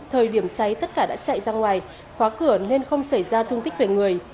thời điểm cháy tất cả đã chạy ra ngoài khóa cửa nên không xảy ra thương tích về người